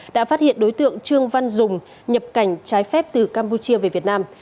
đã phát hiện đối tượng trương văn dùng nhập cảnh trái phép từ campuchia về việt nam